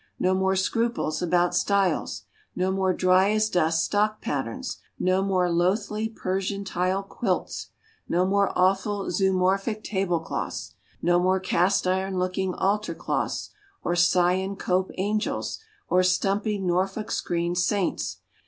No more scruples about styles! No more dry as dust stock patterns! No more loathly Persian tile quilts! No more awful "Zoomorphic" table cloths! No more cast iron looking altar cloths, or Syon Cope angels, or stumpy Norfolk screen saints!